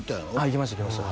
行きました行きました